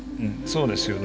そうですか？